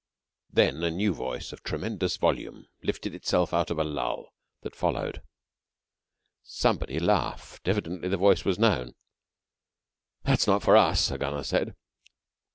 Then a new voice of tremendous volume lifted itself out of a lull that followed. Somebody laughed. Evidently the voice was known. "That is not for us," a gunner said.